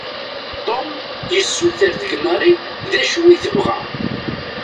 Tom yessuter deg Marie d acu i tebɣa.